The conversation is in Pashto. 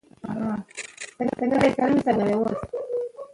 نجونې به تر هغه وخته پورې شعرونه وايي.